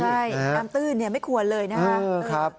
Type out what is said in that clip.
ใช่น้ำตื้นไม่ควรเลยนะครับ